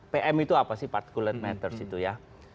pm itu apa sih particulate matters itu ya